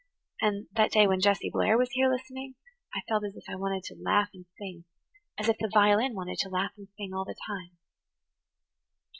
And that day when Jessie Blair was here listening I felt as if I wanted to laugh and sing–as if the violin wanted to laugh and sing all the time."